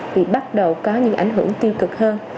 thì bắt đầu có những ảnh hưởng tiêu cực hơn